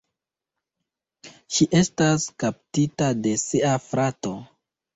Ŝi estas kaptita de sia frato.